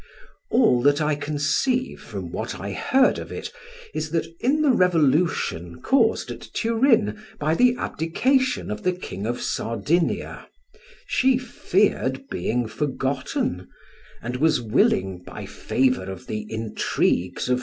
All that I conceive from what I heard of it, is, that in the revolution caused at Turin by the abdication of the King of Sardinia, she feared being forgotten, and was willing by favor of the intrigues of M.